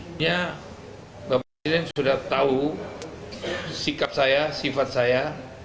sebenarnya bapak presiden sudah tahu sikap saya sifat saya